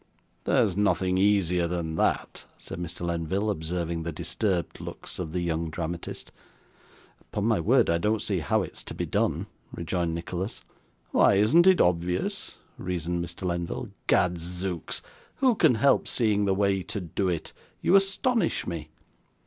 'There's nothing easier than that,' said Mr. Lenville, observing the disturbed looks of the young dramatist. 'Upon my word I don't see how it's to be done,' rejoined Nicholas. 'Why, isn't it obvious?' reasoned Mr. Lenville. 'Gadzooks, who can help seeing the way to do it? you astonish me!